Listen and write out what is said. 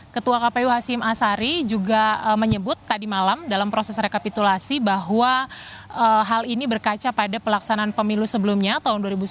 ketua kpu hashim asari juga menyebut tadi malam dalam proses rekapitulasi bahwa hal ini berkaca pada pelaksanaan pemilu sebelumnya tahun dua ribu sembilan belas